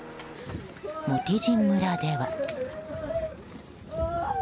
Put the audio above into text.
モティジン村では。